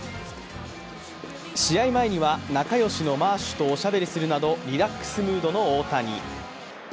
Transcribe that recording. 試合前には仲よしのマーシュとおしゃべりするなどリラックスムードの大谷。